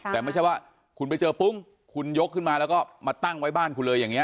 แต่ไม่ใช่ว่าคุณไปเจอปุ้งคุณยกขึ้นมาแล้วก็มาตั้งไว้บ้านคุณเลยอย่างนี้